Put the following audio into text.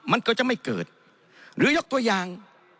มันก็จะไม่เกิดหรือยกตัวอย่าง